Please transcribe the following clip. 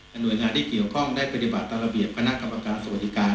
หน่วยงานที่เกี่ยวข้องได้ปฏิบัติตามระเบียบคณะกรรมการสวัสดิการ